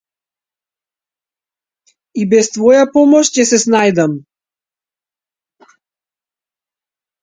И без твоја помош ќе се снајдам.